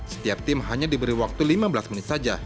setiap tim hanya diberi waktu lima belas menit saja